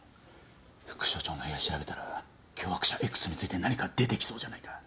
副署長の部屋調べたら脅迫者Ｘについて何か出てきそうじゃないか？